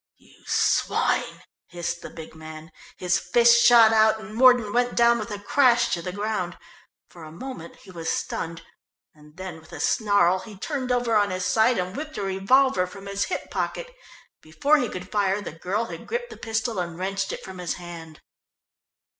"You swine!" hissed the big man. His fist shot out and Mordon went down with a crash to the ground. For a moment he was stunned, and then with a snarl he turned over on his side and whipped a revolver from his hip pocket. Before he could fire, the girl had gripped the pistol and wrenched it from his hand.